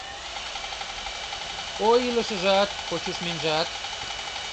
— Ой, илышыжат-кочушменжат...